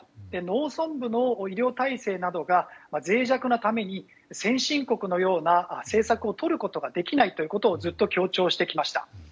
農村部の医療体制などが脆弱なために先進国のような政策をとることができないということをずっと強調してきました。